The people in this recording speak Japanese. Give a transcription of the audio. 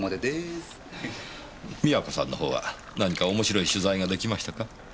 美和子さんの方は何か面白い取材が出来ましたか？